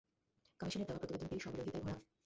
কমিশনের দেওয়া প্রতিবেদনটি স্ববিরোধিতায় ভরা।